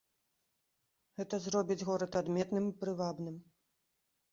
Гэта зробіць горад адметным і прывабным.